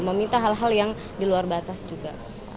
meminta hal hal yang di luar batas juga